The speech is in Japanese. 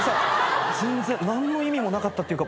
全然何の意味もなかったっていうか